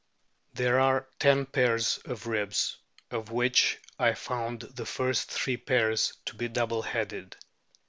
There are ten pairs of ribs, of which 1 found the first three pairs to be double headed.